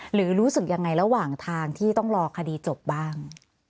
หรือรู้สึกยังไงระหว่างทางที่ต้องรอคดีจบบ้าง